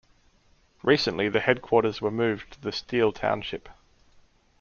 Recently the headquarters were moved to the steel township.